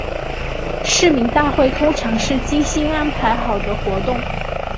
市民大会通常是精心安排好的活动。